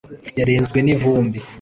yarenzwe n’ivumbi